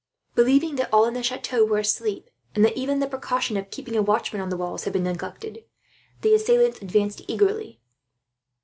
Believing that all in the chateau were asleep, and that even the precaution of keeping a watchman on the walls had been neglected, the assailants advanced eagerly.